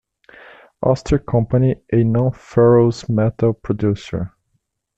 Oster Company, a non-ferrous metal producer.